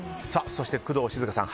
そして工藤静香さん